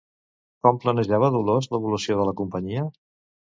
Com planejava Dolors l'evolució de la companyia?